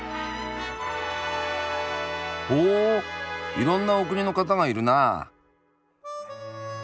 ほいろんなお国の方がいるなあ。